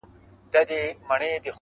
هغه ښار هغه مالت دی مېني تشي له سړیو-